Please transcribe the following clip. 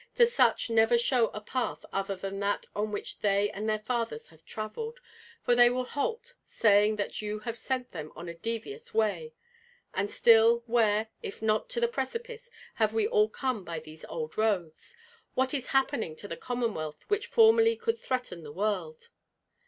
To such never show a path other than that on which they and their fathers have travelled, for they will halt saying that you have sent them on a devious way. And still, where, if not to the precipice, have we all come by these old roads? What is happening to the Commonwealth which formerly could threaten the world?"